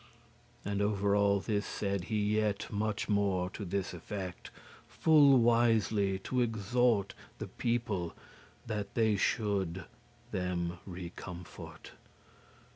And over all this said he yet much more To this effect, full wisely to exhort The people, that they should them recomfort.